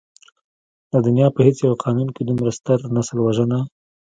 د دنيا په هېڅ يو قانون کې دومره ستر نسل وژنه.